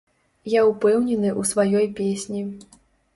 Я ўпэўнены ў сваёй песні.